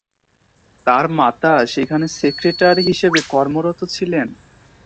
তার মাতা সেখানে সেক্রেটারি হিসেবে কর্মরত ছিলেন।